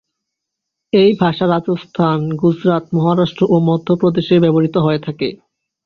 এই ভাষা রাজস্থান, গুজরাত, মহারাষ্ট্র ও মধ্য প্রদেশে ব্যবহৃত হয়ে থাকে।